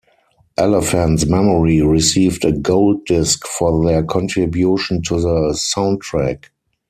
Elephant's Memory received a gold disc for their contribution to the soundtrack.